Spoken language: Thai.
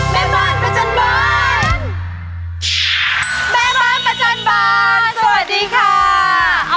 แม่บ้านประจัญบ้านสวัสดีค่ะ